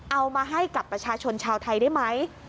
เอามาให้กับประชาชนชาวไทยได้ไหม